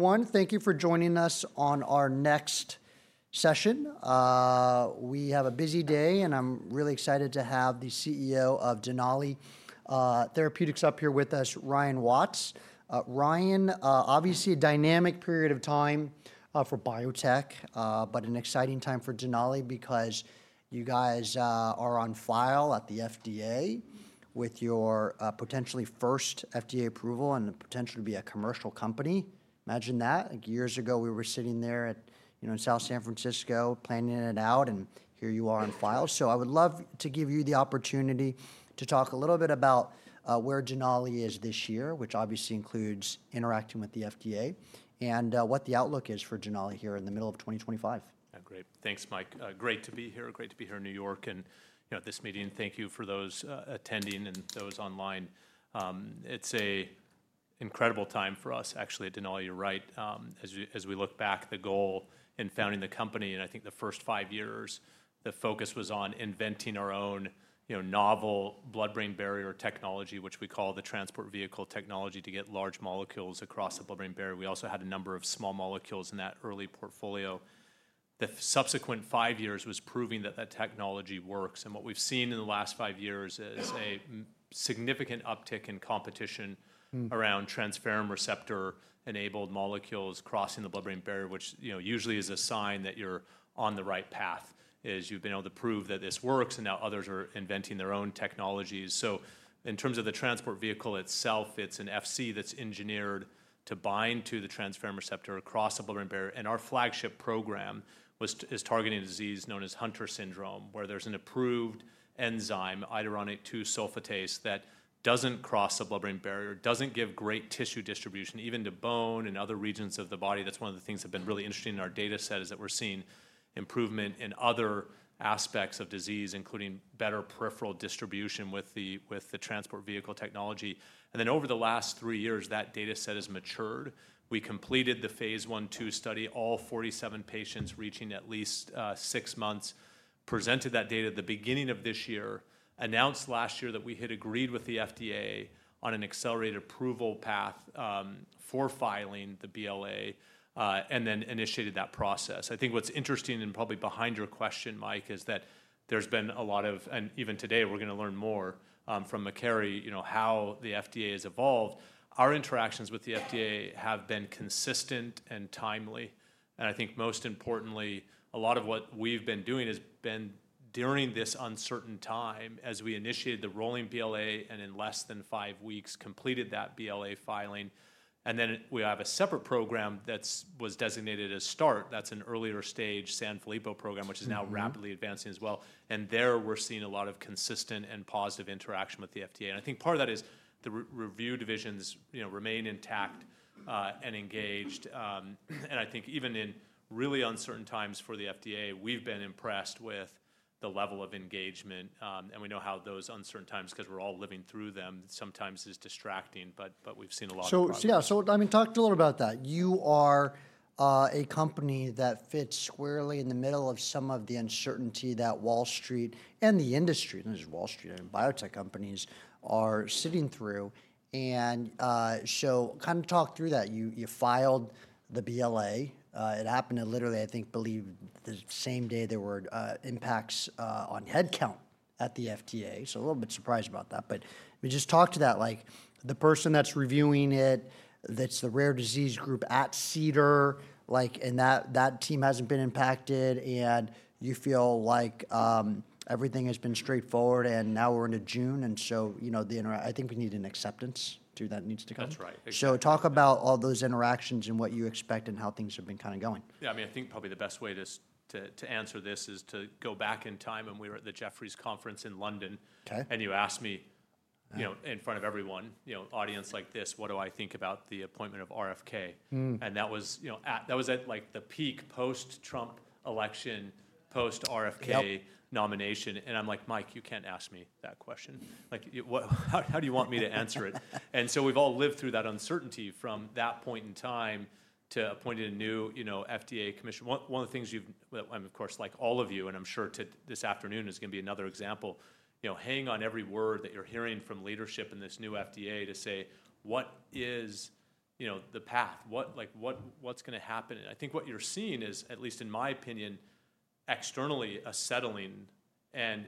Everyone, thank you for joining us on our next session. We have a busy day, and I'm really excited to have the CEO of Denali Therapeutics up here with us, Ryan Watts. Ryan, obviously a dynamic period of time for biotech, but an exciting time for Denali because you guys are on file at the FDA with your potentially first FDA approval and the potential to be a commercial company. Imagine that. Like, years ago, we were sitting there at, you know, in South San Francisco, planning it out, and here you are on file. I would love to give you the opportunity to talk a little bit about where Denali is this year, which obviously includes interacting with the FDA and what the outlook is for Denali here in the middle of 2025. Yeah, great. Thanks, Mike. Great to be here. Great to be here in New York and, you know, at this meeting. And thank you for those attending and those online. It's an incredible time for us, actually, at Denali. You're right. As we look back, the goal in founding the company, and I think the first five years, the focus was on inventing our own, you know, novel blood-brain barrier technology, which we call the transport vehicle technology to get large molecules across the blood-brain barrier. We also had a number of small molecules in that early portfolio. The subsequent five years was proving that that technology works. What we've seen in the last five years is a significant uptick in competition around transferrin receptor-enabled molecules crossing the blood-brain barrier, which, you know, usually is a sign that you're on the right path, is you've been able to prove that this works, and now others are inventing their own technologies. In terms of the transport vehicle itself, it's an Fc that's engineered to bind to the transferrin receptor across the blood-brain barrier. Our flagship program was targeting a disease known as Hunter syndrome, where there's an approved enzyme, iduronate-2 sulfatase, that doesn't cross the blood-brain barrier, doesn't give great tissue distribution, even to bone and other regions of the body. That's one of the things that have been really interesting in our data set, is that we're seeing improvement in other aspects of disease, including better peripheral distribution with the transport vehicle technology. Over the last three years, that data set has matured. We completed the phase one-two study. All 47 patients reaching at least six months presented that data at the beginning of this year, announced last year that we had agreed with the FDA on an accelerated approval path, for filing the BLA, and then initiated that process. I think what's interesting and probably behind your question, Mike, is that there's been a lot of, and even today we're going to learn more, from Makeri, you know, how the FDA has evolved. Our interactions with the FDA have been consistent and timely. I think most importantly, a lot of what we've been doing has been during this uncertain time, as we initiated the rolling BLA and in less than five weeks completed that BLA filing. We have a separate program that was designated as START. That's an earlier stage Sanfilippo program, which is now rapidly advancing as well. There we're seeing a lot of consistent and positive interaction with the FDA. I think part of that is the review divisions, you know, remain intact and engaged. I think even in really uncertain times for the FDA, we've been impressed with the level of engagement. We know how those uncertain times, because we're all living through them, sometimes is distracting, but we've seen a lot of progress. Yeah, I mean, talk a little about that. You are a company that fits squarely in the middle of some of the uncertainty that Wall Street and the industry, not just Wall Street, I mean, biotech companies are sitting through. Kind of talk through that. You filed the BLA. It happened at literally, I think, believe the same day there were impacts on headcount at the FDA. A little bit surprised about that. I mean, just talk to that, like, the person that's reviewing it, that's the rare disease group at CDER, like, and that team hasn't been impacted, and you feel like everything has been straightforward, and now we're into June. You know, the interaction, I think we need an acceptance to that needs to come. That's right. Talk about all those interactions and what you expect and how things have been kind of going. Yeah, I mean, I think probably the best way to answer this is to go back in time, and we were at the Jefferies Conference in London. Okay. You asked me, you know, in front of everyone, you know, audience like this, what do I think about the appointment of RFK? That was, you know, at, like, the peak post-Trump election, post-RFK nomination. I'm like, Mike, you can't ask me that question. How do you want me to answer it? We've all lived through that uncertainty from that point in time to appointing a new, you know, FDA commissioner. One of the things you've, I'm of course like all of you, and I'm sure this afternoon is going to be another example, you know, hanging on every word that you're hearing from leadership in this new FDA to say, what is, you know, the path? What, like, what's going to happen? I think what you're seeing is, at least in my opinion, externally, a settling and,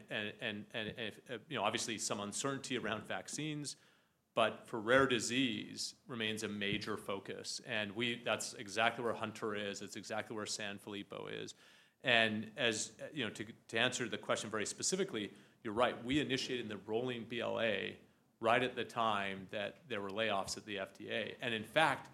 you know, obviously some uncertainty around vaccines, but for rare disease remains a major focus. That's exactly where Hunter is. It's exactly where Sanfilippo is. As, you know, to answer the question very specifically, you're right, we initiated the rolling BLA right at the time that there were layoffs at the FDA. In fact,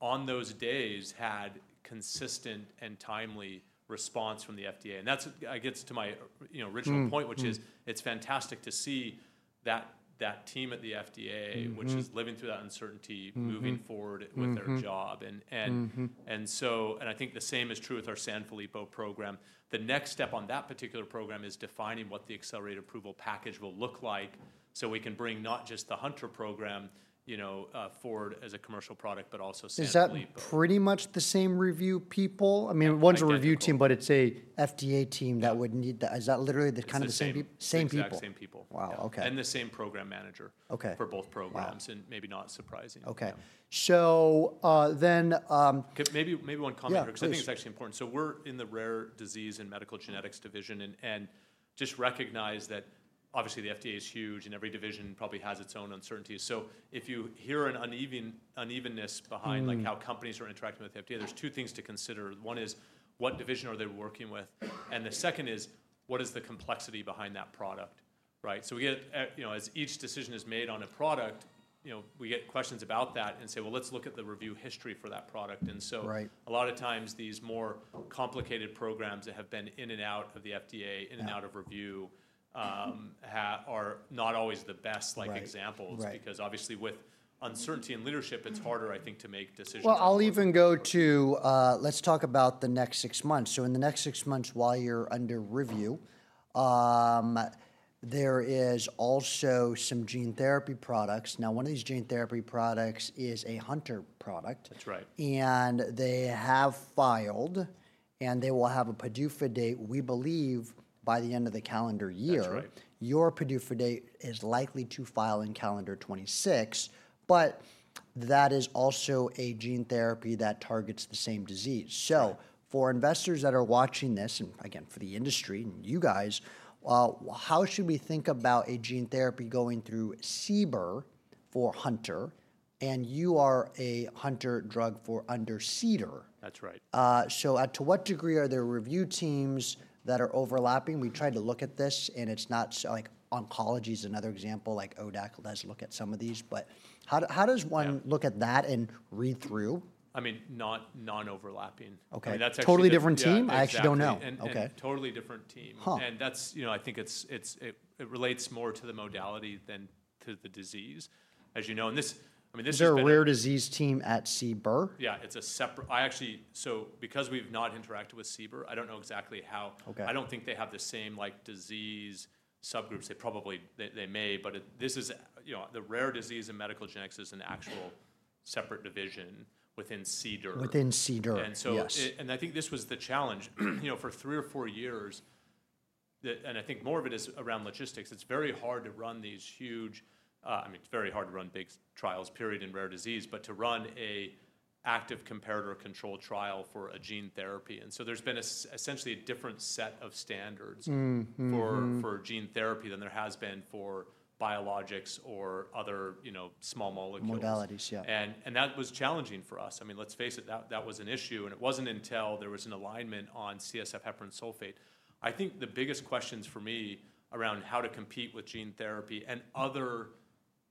on those days, had consistent and timely response from the FDA. That's, I guess, to my, you know, original point, which is it's fantastic to see that that team at the FDA, which is living through that uncertainty, moving forward with their job. I think the same is true with our Sanfilippo program. The next step on that particular program is defining what the accelerated approval package will look like so we can bring not just the Hunter program, you know, forward as a commercial product, but also Sanfilippo. Is that pretty much the same review people? I mean, one's a review team, but it's a FDA team that would need that. Is that literally the kind of the same people? Exactly. Same people. Wow. Okay. The same program manager. Okay. For both programs, and maybe not surprising. Okay. So, then, Maybe, maybe one comment here, because I think it's actually important. We're in the rare disease and medical genetics division, and just recognize that obviously the FDA is huge, and every division probably has its own uncertainties. If you hear an uneven, unevenness behind, like, how companies are interacting with the FDA, there are two things to consider. One is, what division are they working with? The second is, what is the complexity behind that product? Right? We get, you know, as each decision is made on a product, we get questions about that and say, well, let's look at the review history for that product. A lot of times these more complicated programs that have been in and out of the FDA, in and out of review, are not always the best, like, examples. Right. Because obviously with uncertainty in leadership, it's harder, I think, to make decisions. I'll even go to, let's talk about the next six months. In the next six months, while you're under review, there is also some gene therapy products. Now, one of these gene therapy products is a Hunter product. That's right. They have filed, and they will have a PDUFA date, we believe, by the end of the calendar year. That's right. Your PDUFA date is likely to file in calendar 2026, but that is also a gene therapy that targets the same disease. For investors that are watching this, and again, for the industry and you guys, how should we think about a gene therapy going through CBER for Hunter? You are a Hunter drug for under CDER. That's right. To what degree are there review teams that are overlapping? We tried to look at this, and it's not, like, oncology is another example, like ODAC does look at some of these, but how does one look at that and read through? I mean, not non-overlapping. Okay. I mean, that's actually. Totally different team? I actually don't know. Totally different team. That's, you know, I think it relates more to the modality than to the disease, as you know. I mean, this is. Is there a rare disease team at CBER? Yeah, it's a separate, I actually, so because we've not interacted with CBER, I don't know exactly how. Okay. I don't think they have the same, like, disease subgroups. They probably, they may, but this is, you know, the rare disease and medical genetics is an actual separate division within CDER. Within CDER. I think this was the challenge, you know, for three or four years, and I think more of it is around logistics. It's very hard to run these huge, I mean, it's very hard to run big trials, period, in rare disease, but to run an active comparator control trial for a gene therapy. There's been essentially a different set of standards for gene therapy than there has been for biologics or other, you know, small molecules. Modalities, yeah. That was challenging for us. I mean, let's face it, that was an issue, and it wasn't until there was an alignment on CSF heparin sulfate. I think the biggest questions for me around how to compete with gene therapy and other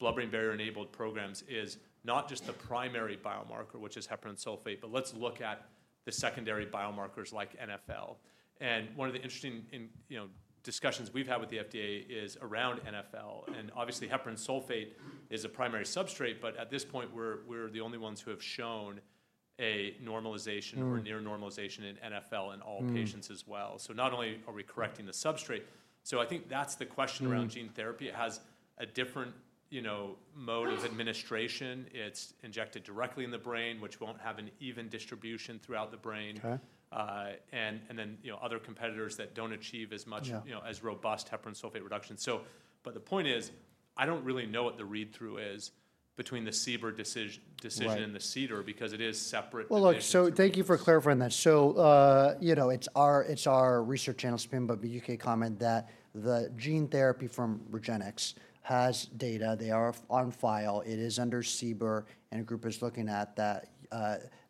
blood-brain barrier-enabled programs is not just the primary biomarker, which is heparin sulfate, but let's look at the secondary biomarkers like NFL. One of the interesting, you know, discussions we've had with the FDA is around NFL. Obviously, heparin sulfate is a primary substrate, but at this point, we're the only ones who have shown a normalization or near normalization in NFL in all patients as well. Not only are we correcting the substrate, I think that's the question around gene therapy. It has a different, you know, mode of administration. It's injected directly in the brain, which won't have an even distribution throughout the brain. Okay. and then, you know, other competitors that do not achieve as much, you know, as robust heparin sulfate reduction. The point is, I do not really know what the read-through is between the CBER decision and the CDER, because it is separate. Thank you for clarifying that. You know, it's our research analyst, Pimba Buyuke, comment that the gene therapy from Regenxbio has data. They are on file. It is under CBER, and a group is looking at that.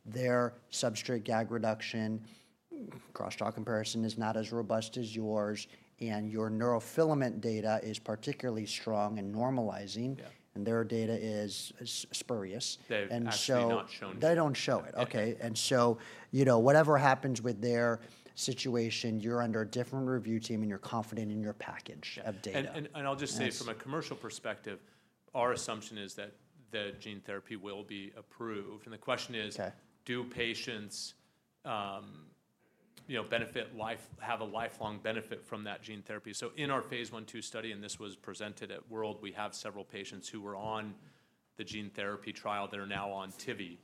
Their substrate GAG reduction cross-talk comparison is not as robust as yours, and your neurofilament data is particularly strong and normalizing. Their data is spurious. They've actually not shown it. They don't show it. Okay. And so, you know, whatever happens with their situation, you're under a different review team, and you're confident in your package of data. I will just say from a commercial perspective, our assumption is that the gene therapy will be approved. The question is, do patients, you know, benefit, have a lifelong benefit from that gene therapy? In our phase one-two study, and this was presented at World, we have several patients who were on the gene therapy trial that are now on Tivi,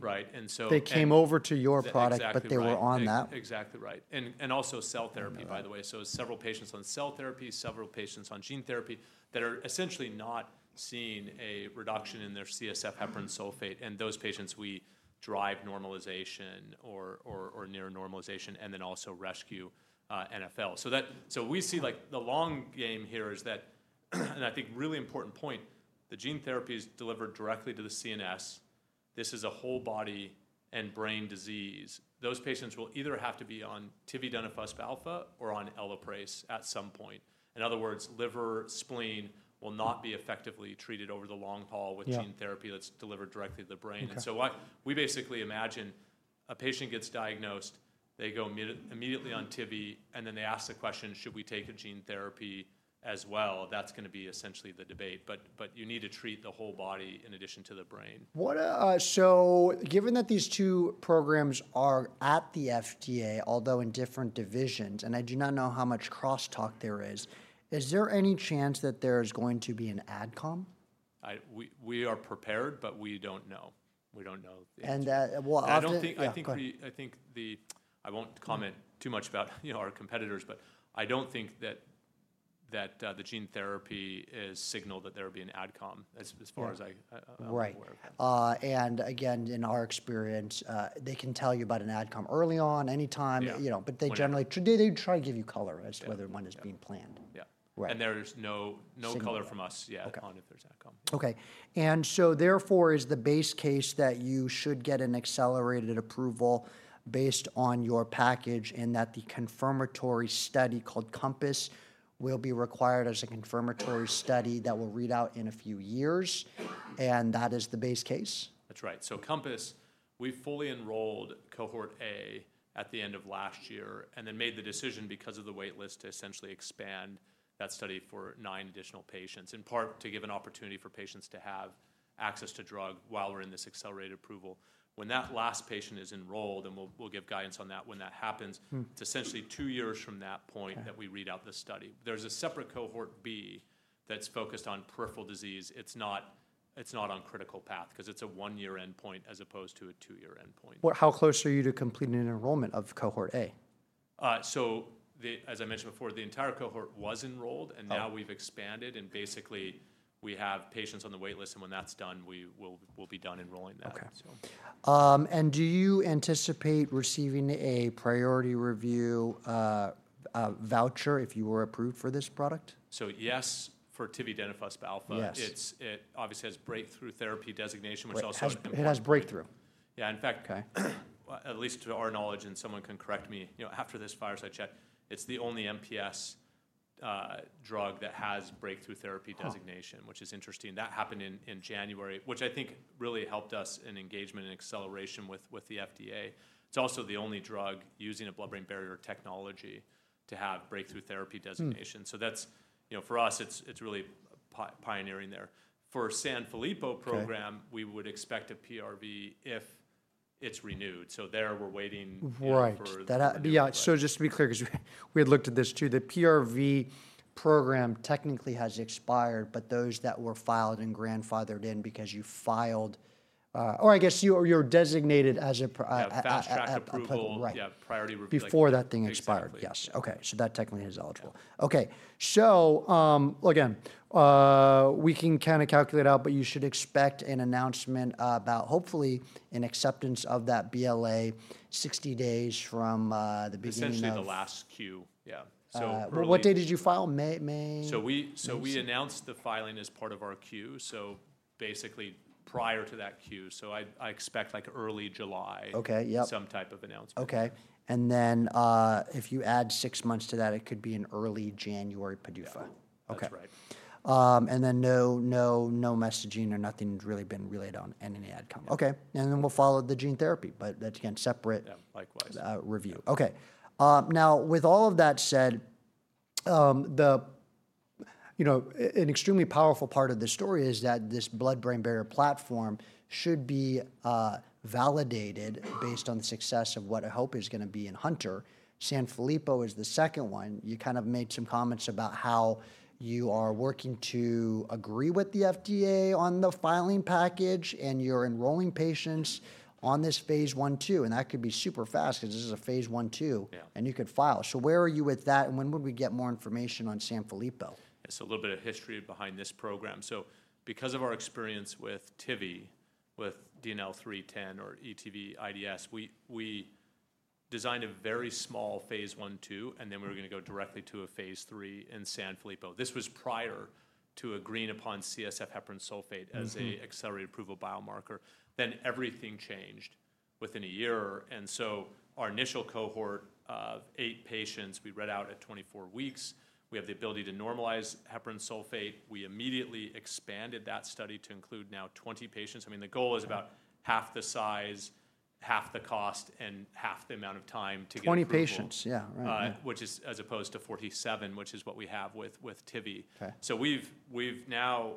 right? They came over to your product, but they were on that. Exactly. Exactly right. And also cell therapy, by the way. Several patients on cell therapy, several patients on gene therapy that are essentially not seeing a reduction in their CSF heparin sulfate. Those patients, we drive normalization or near normalization, and then also rescue NFL. We see like the long game here is that, and I think really important point, the gene therapy is delivered directly to the CNS. This is a whole body and brain disease. Those patients will either have to be on tividenofusp alfa or on Elaprase at some point. In other words, liver, spleen will not be effectively treated over the long haul with gene therapy that is delivered directly to the brain. We basically imagine a patient gets diagnosed, they go immediately on Tivi, and then they ask the question, should we take a gene therapy as well? That's going to be essentially the debate. You need to treat the whole body in addition to the brain. What, so given that these two programs are at the FDA, although in different divisions, and I do not know how much cross-talk there is, is there any chance that there is going to be an adcom? I, we are prepared, but we don't know. We don't know. I think. I don't think, I think we, I think the, I won't comment too much about, you know, our competitors, but I don't think that the gene therapy is signal that there will be an adcom as far as I'm aware. Right. And again, in our experience, they can tell you about an adcom early on, anytime, you know, but they generally, they try to give you color as to whether one is being planned. Yeah. There is no, no color from us yet on if there is an adcom. Okay. And so therefore is the base case that you should get an accelerated approval based on your package and that the confirmatory study called Compass will be required as a confirmatory study that will read out in a few years? And that is the base case? That's right. Compass, we fully enrolled cohort A at the end of last year and then made the decision because of the waitlist to essentially expand that study for nine additional patients, in part to give an opportunity for patients to have access to drug while we're in this accelerated approval. When that last patient is enrolled, and we'll give guidance on that when that happens, it's essentially two years from that point that we read out the study. There's a separate cohort B that's focused on peripheral disease. It's not on critical path because it's a one-year endpoint as opposed to a two-year endpoint. How close are you to completing an enrollment of cohort A? As I mentioned before, the entire cohort was enrolled, and now we've expanded, and basically we have patients on the waitlist, and when that's done, we'll be done enrolling them. Okay. Do you anticipate receiving a priority review voucher if you were approved for this product? Yes, for Tivi, tividenofusp alfa. Yes. It obviously has breakthrough therapy designation, which also. It has breakthrough. Yeah. In fact, at least to our knowledge, and someone can correct me, you know, after this fireside chat, it's the only MPS drug that has breakthrough therapy designation, which is interesting. That happened in January, which I think really helped us in engagement and acceleration with the FDA. It's also the only drug using a blood-brain barrier technology to have breakthrough therapy designation. That's, you know, for us, it's really pioneering there. For Sanfilippo program, we would expect a PRV if it's renewed. So there we're waiting for. Right. Yeah. Just to be clear, because we had looked at this too, the PRV program technically has expired, but those that were filed and grandfathered in because you filed, or I guess you are designated as a priority. That's right. Yeah. Priority review. Before that thing expired. Yes. Okay. So that technically is eligible. Okay. So, again, we can kind of calculate it out, but you should expect an announcement about hopefully an acceptance of that BLA 60 days from the beginning. Essentially the last queue. Yeah. What day did you file? May, May? We announced the filing as part of our queue. Basically prior to that queue. I expect like early July. Okay. Yep. Some type of announcement. Okay. If you add six months to that, it could be an early January PDUFA. That's right. Okay. And then no, no messaging or nothing has really been relayed on any adcom. Okay. And then we'll follow the gene therapy, but that's again separate. Yeah. Likewise. Review. Okay. Now with all of that said, you know, an extremely powerful part of the story is that this blood-brain barrier platform should be validated based on the success of what I hope is going to be in Hunter. Sanfilippo is the second one. You kind of made some comments about how you are working to agree with the FDA on the filing package and you're enrolling patients on this phase one-two. That could be super fast because this is a phase one-two. You could file. Where are you with that? When would we get more information on Sanfilippo? A little bit of history behind this program. Because of our experience with Tivi, with DNL310 or ETV:IDUA, we designed a very small phase one-two, and then we were going to go directly to a phase three in Sanfilippo. This was prior to agreeing upon CSF heparin sulfate as an accelerated approval biomarker. Everything changed within a year. Our initial cohort of eight patients, we read out at 24 weeks. We have the ability to normalize heparin sulfate. We immediately expanded that study to include now 20 patients. I mean, the goal is about half the size, half the cost, and half the amount of time to get 20 patients. Yeah. Right. Which is as opposed to 47, which is what we have with, with Tivi. So we've now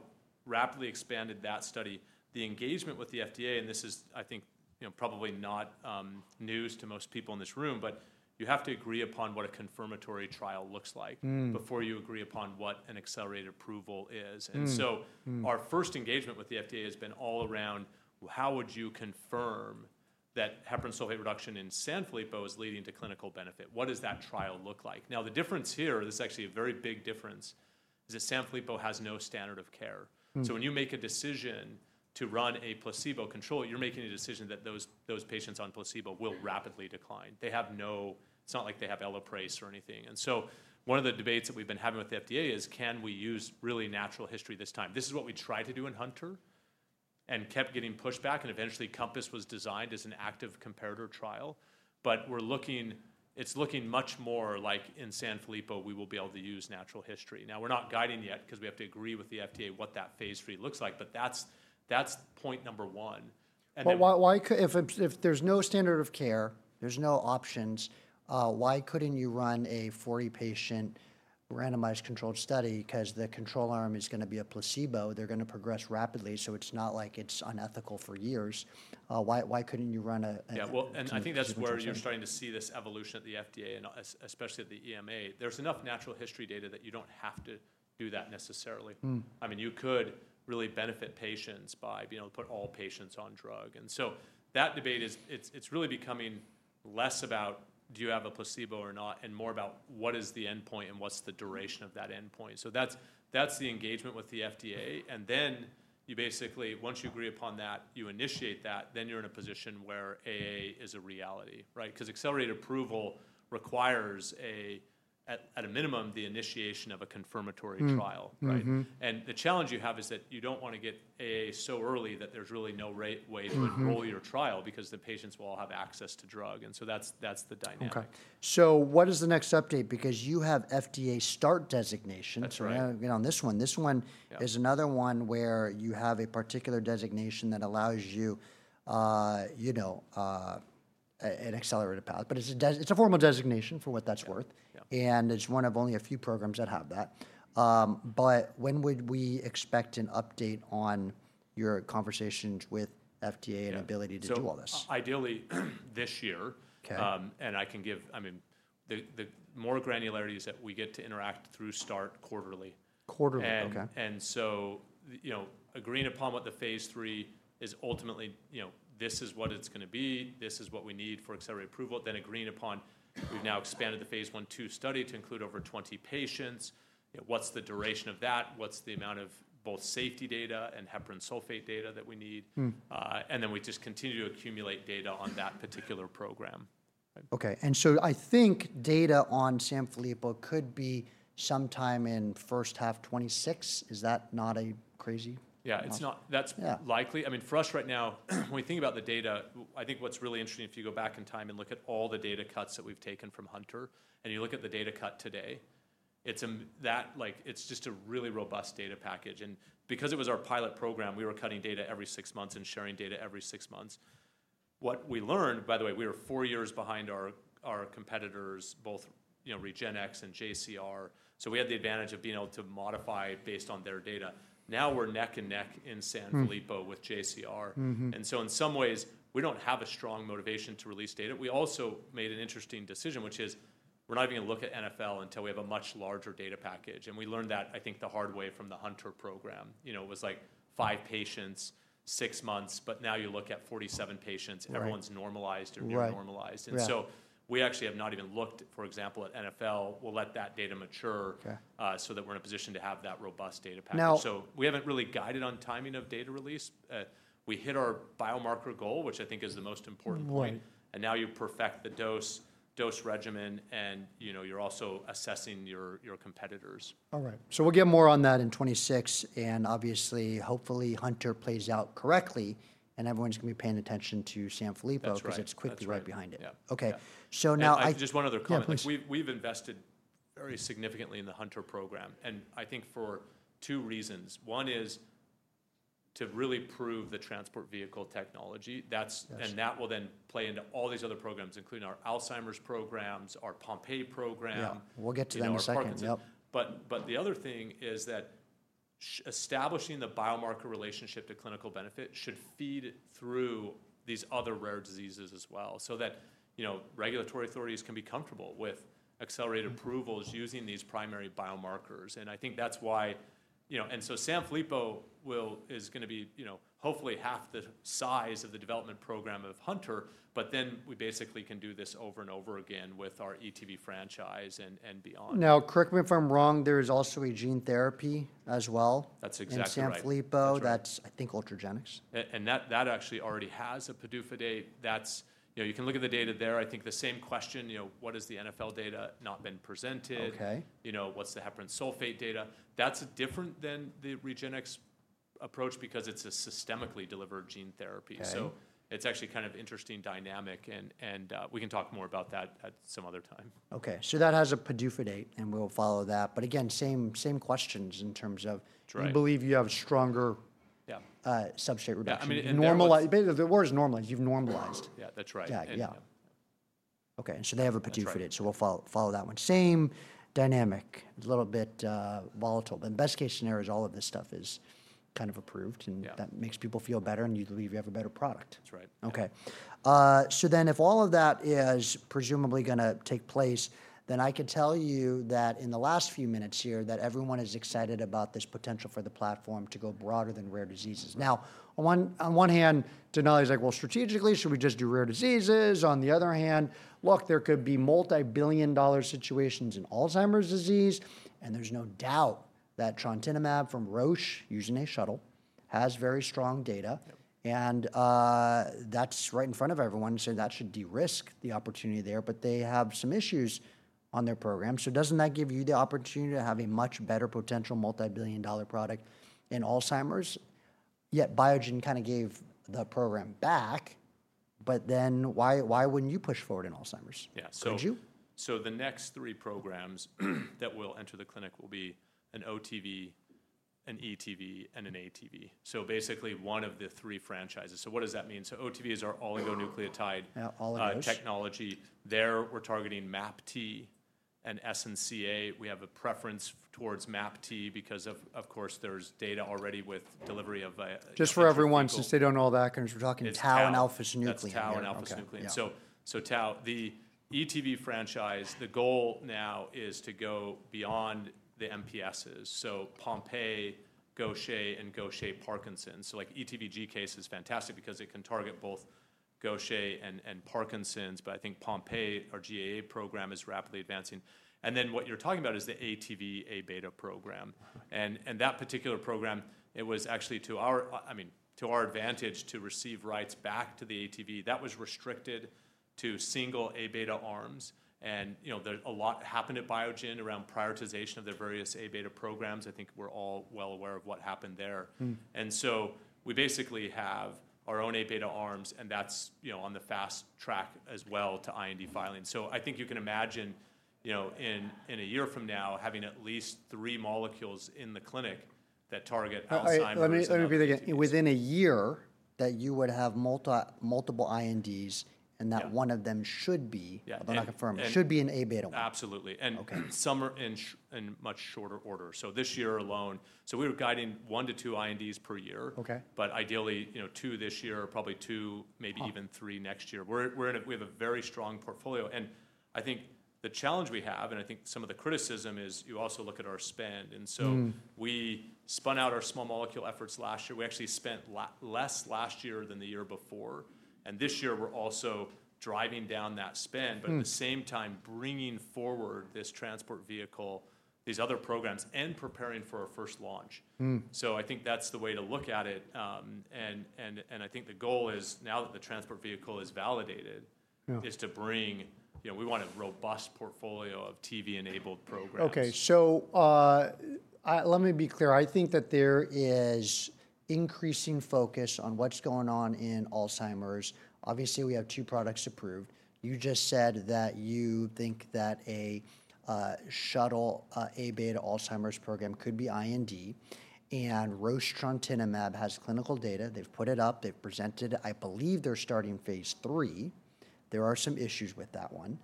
rapidly expanded that study. The engagement with the FDA, and this is, I think, you know, probably not news to most people in this room, but you have to agree upon what a confirmatory trial looks like before you agree upon what an accelerated approval is. Our first engagement with the FDA has been all around how would you confirm that heparin sulfate reduction in Sanfilippo is leading to clinical benefit? What does that trial look like? Now, the difference here, this is actually a very big difference, is that Sanfilippo has no standard of care. When you make a decision to run a placebo control, you're making a decision that those patients on placebo will rapidly decline. They have no, it's not like they have Elaprase or anything. One of the debates that we've been having with the FDA is, can we use really natural history this time? This is what we tried to do in Hunter and kept getting pushed back. Eventually Compass was designed as an active comparator trial, but we're looking, it's looking much more like in Sanfilippo, we will be able to use natural history. Now, we're not guiding yet because we have to agree with the FDA what that phase three looks like, but that's, that's point number one. Why could, if there's no standard of care, there's no options, why couldn't you run a 40-patient randomized controlled study? Because the control arm is going to be a placebo. They're going to progress rapidly. So it's not like it's unethical for years. Why couldn't you run a? Yeah. I think that's where you're starting to see this evolution at the FDA, and especially at the EMA. There's enough natural history data that you don't have to do that necessarily. I mean, you could really benefit patients by, you know, put all patients on drug. That debate is, it's really becoming less about do you have a placebo or not, and more about what is the endpoint and what's the duration of that endpoint. That's the engagement with the FDA. You basically, once you agree upon that, you initiate that, then you're in a position where AA is a reality, right? Because accelerated approval requires, at a minimum, the initiation of a confirmatory trial, right? The challenge you have is that you do not want to get AA so early that there is really no way to enroll your trial because the patients will all have access to drug. That is the dynamic. Okay. What is the next update? Because you have FDA START designation. That's right. On this one. This one is another one where you have a particular designation that allows you, you know, an accelerated path, but it's a, it's a formal designation for what that's worth. It is one of only a few programs that have that. When would we expect an update on your conversations with FDA and ability to do all this? Ideally this year. I can give, I mean, the more granularity is that we get to interact through START quarterly. Quarterly. Okay. You know, agreeing upon what the phase three is ultimately, you know, this is what it's going to be. This is what we need for accelerated approval. Agreeing upon we've now expanded the phase one-two study to include over 20 patients. What's the duration of that? What's the amount of both safety data and heparin sulfate data that we need? And then we just continue to accumulate data on that particular program. Okay. I think data on Sanfilippo could be sometime in first half 2026. Is that not a crazy? Yeah, it's not. That's likely. I mean, for us right now, when we think about the data, I think what's really interesting, if you go back in time and look at all the data cuts that we've taken from Hunter, and you look at the data cut today, it's that like, it's just a really robust data package. Because it was our pilot program, we were cutting data every six months and sharing data every six months. What we learned, by the way, we were four years behind our competitors, both, you know, Regenxbio and JCR. We had the advantage of being able to modify based on their data. Now we're neck and neck in Sanfilippo with JCR. In some ways, we don't have a strong motivation to release data. We also made an interesting decision, which is we're not even going to look at NFL until we have a much larger data package. And we learned that, I think, the hard way from the Hunter program. You know, it was like five patients, six months, but now you look at 47 patients, everyone's normalized or normalized. And so we actually have not even looked, for example, at NFL. We'll let that data mature so that we're in a position to have that robust data package. We haven't really guided on timing of data release. We hit our biomarker goal, which I think is the most important point. Now you perfect the dose, dose regimen, and you know, you're also assessing your competitors. All right. We'll get more on that in 2026. Obviously, hopefully Hunter plays out correctly and everyone's going to be paying attention to Sanfilippo because it's quickly right behind it. Yeah. Okay. Now. Just one other comment. We have invested very significantly in the Hunter program. I think for two reasons. One is to really prove the transport vehicle technology. That will then play into all these other programs, including our Alzheimer's programs, our Pompe program. Yeah. We'll get to them in a second. The other thing is that establishing the biomarker relationship to clinical benefit should feed through these other rare diseases as well so that, you know, regulatory authorities can be comfortable with accelerated approvals using these primary biomarkers. I think that's why, you know, and so Sanfilippo will, is going to be, you know, hopefully half the size of the development program of Hunter, but then we basically can do this over and over again with our ETV franchise and beyond. Now, correct me if I'm wrong, there is also a gene therapy as well in Sanfilippo. That's, I think, Ultragenyx. That actually already has a PDUFA date. You can look at the data there. I think the same question, you know, why has the NFL data not been presented? You know, what is the heparin sulfate data? That is different than the Regenxbio approach because it is a systemically delivered gene therapy. It is actually kind of an interesting dynamic, and we can talk more about that at some other time. Okay. That has a PDUFA date and we'll follow that. Again, same questions in terms of you believe you have stronger substrate reduction. I mean, normalized. The word is normalized. You've normalized. Yeah. That's right. Yeah. Okay. They have a PDUFA date. We'll follow that one. Same dynamic, a little bit volatile. In best case scenario, all of this stuff is kind of approved and that makes people feel better and you believe you have a better product. That's right. Okay. So then if all of that is presumably going to take place, then I can tell you that in the last few minutes here that everyone is excited about this potential for the platform to go broader than rare diseases. Now, on one hand, Denali's like, well, strategically, should we just do rare diseases? On the other hand, look, there could be multi-billion dollar situations in Alzheimer's disease. There is no doubt that trontinemab from Roche using a shuttle has very strong data. That is right in front of everyone. That should de-risk the opportunity there, but they have some issues on their program. Does not that give you the opportunity to have a much better potential multi-billion dollar product in Alzheimer's? Yet Biogen kind of gave the program back, but then why, why would not you push forward in Alzheimer's? Yeah. Could you? The next three programs that will enter the clinic will be an OTV, an ETV, and an ATV. Basically, one of the three franchises. What does that mean? OTVs are oligonucleotide technology. There, we're targeting MAPT and SNCA. We have a preference towards MAPT because, of course, there's data already with delivery of. Just for everyone, since they don't know all that, because we're talking Tau and Alpha's nucleon. That's Tau and alpha-synuclein. Tau, the ETV franchise, the goal now is to go beyond the MPSs. Pompei, Gaucher, and Gaucher-Parkinson. ETV:Gcase is fantastic because it can target both Gaucher and Parkinson's, but I think Pompei, our GAA program, is rapidly advancing. What you're talking about is the ATV:A-beta program. That particular program, it was actually to our advantage to receive rights back to the ATV. That was restricted to single A-beta arms. There's a lot happened at Biogen around prioritization of their various A-beta programs. I think we're all well aware of what happened there. We basically have our own A-beta arms and that's on the fast track as well to IND filing. I think you can imagine, you know, in a year from now, having at least three molecules in the clinic that target Alzheimer's. Let me be the guy. Within a year that you would have multiple INDs and that one of them should be, but not confirmed, should be an A-beta one. Absolutely. And some are in, in much shorter order. This year alone, we were guiding one to two INDs per year, but ideally, you know, two this year, probably two, maybe even three next year. We have a very strong portfolio. I think the challenge we have, and I think some of the criticism is you also look at our spend. We spun out our small molecule efforts last year. We actually spent less last year than the year before. This year we're also driving down that spend, but at the same time bringing forward this transport vehicle, these other programs and preparing for our first launch. I think that's the way to look at it. I think the goal is now that the transport vehicle is validated is to bring, you know, we want a robust portfolio of TV-enabled programs. Okay. Let me be clear. I think that there is increasing focus on what's going on in Alzheimer's. Obviously, we have two products approved. You just said that you think that a shuttle A-beta Alzheimer's program could be IND and Roche trontinemab has clinical data. They've put it up. They've presented it. I believe they're starting phase three. There are some issues with that one.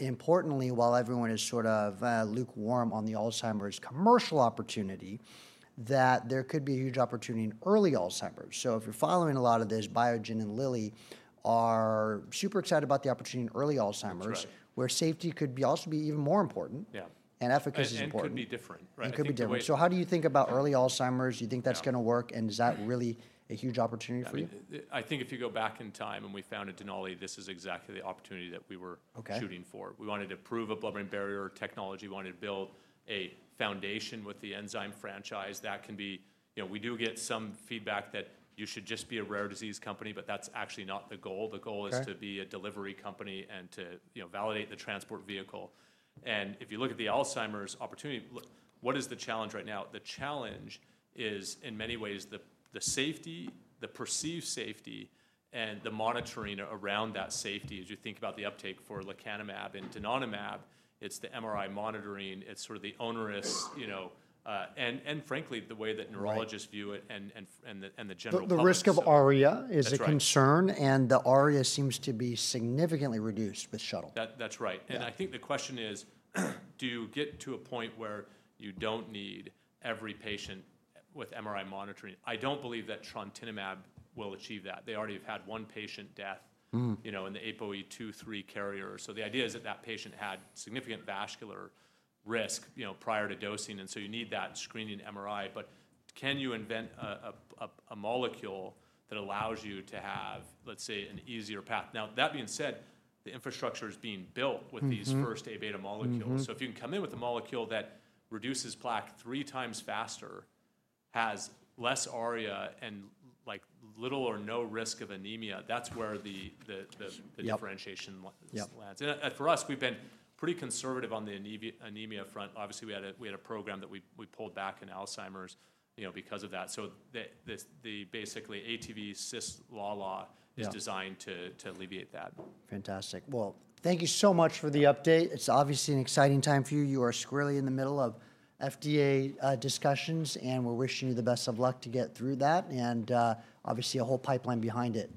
Importantly, while everyone is sort of lukewarm on the Alzheimer's commercial opportunity, there could be a huge opportunity in early Alzheimer's. If you're following a lot of this, Biogen and Lilly are super excited about the opportunity in early Alzheimer's, where safety could also be even more important and efficacy is important. Could be different. Could be different. How do you think about early Alzheimer's? Do you think that's going to work? Is that really a huge opportunity for you? I think if you go back in time and we founded Denali, this is exactly the opportunity that we were shooting for. We wanted to prove a blood-brain barrier technology. We wanted to build a foundation with the enzyme franchise that can be, you know, we do get some feedback that you should just be a rare disease company, but that's actually not the goal. The goal is to be a delivery company and to, you know, validate the transport vehicle. If you look at the Alzheimer's opportunity, what is the challenge right now? The challenge is in many ways the safety, the perceived safety and the monitoring around that safety. As you think about the uptake for lecanemab and donanemab, it's the MRI monitoring. It's sort of the onerous, you know, and, and frankly, the way that neurologists view it and the general public. The risk of ARIA is a concern and the ARIA seems to be significantly reduced with shuttle. That's right. I think the question is, do you get to a point where you don't need every patient with MRI monitoring? I don't believe that trontinemab will achieve that. They already have had one patient death, you know, in the APOE2/3 carrier. The idea is that that patient had significant vascular risk, you know, prior to dosing. You need that screening MRI, but can you invent a molecule that allows you to have, let's say, an easier path? That being said, the infrastructure is being built with these first A-beta molecules. If you can come in with a molecule that reduces plaque three times faster, has less ARIA and like little or no risk of anemia, that's where the differentiation lands. For us, we've been pretty conservative on the anemia front. Obviously, we had a program that we pulled back in Alzheimer's, you know, because of that. The basically ATV:CSF law is designed to alleviate that. Fantastic. Thank you so much for the update. It is obviously an exciting time for you. You are squarely in the middle of FDA discussions and we are wishing you the best of luck to get through that and obviously a whole pipeline behind it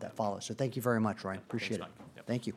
that follows. Thank you very much, Ryan. Appreciate it. Thank you.